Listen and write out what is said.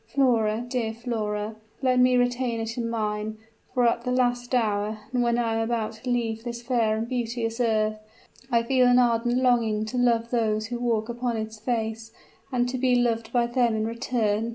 Flora, dear Flora, let me retain it in mine; for at the last hour, and when I am about to leave this fair and beauteous earth, I feel an ardent longing to love those who walk upon its face, and to be loved by them in return.